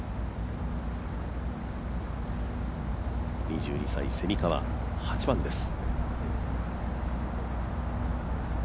２２歳、蝉川、８番です。